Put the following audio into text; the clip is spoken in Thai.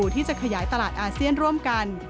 ที่จะขยายตลาดอาเซียนร่วมกัน